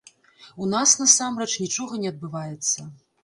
У нас насамрэч нічога не адбываецца.